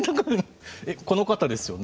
この方ですよね。